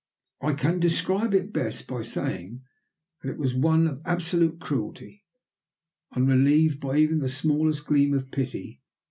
I can describe it best by saying that it was one of absolute cruelty, unrelieved by even the smallest gleam of pity.